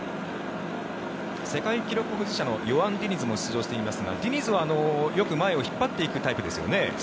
世界記録保持者のヨアン・ディニズも出場していますがディニズはよく前を引っ張っていくタイプですよね。